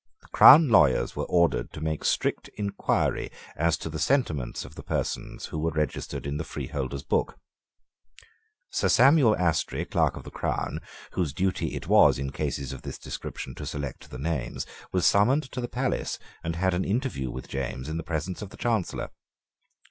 The crown lawyers were ordered to make strict inquiry as to the sentiments of the persons who were registered in the freeholders' book. Sir Samuel Astry, Clerk of the Crown, whose duty it was, in cases of this description, to select the names, was summoned to the palace, and had an interview with James in the presence of the Chancellor.